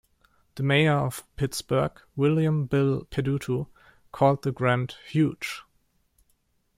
The Mayor of Pittsburgh, William "Bill" Peduto, called the grant, "huge.